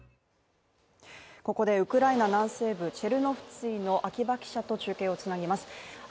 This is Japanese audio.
ここでウクライナ南西部、チェルノフツィの秋場記者と中継をつなぎます。